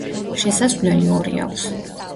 შესასვლელი ორი აქვს.